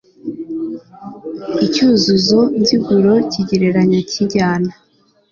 icyuzuzo nziguro kigereranya kijyana